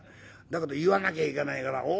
だけど言わなきゃいけないから。